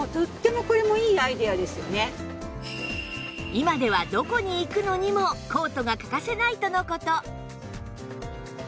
今ではどこに行くのにもコートが欠かせないとの事